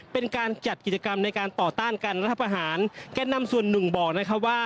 เป็นการจัดกิจกรรมในการต่อต้านการรัฐประหารแก่นำส่วนหนึ่งบอกนะครับว่า